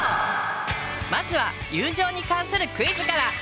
まずは友情に関するクイズから。